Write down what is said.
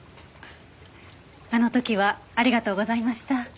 あの時はありがとうございました。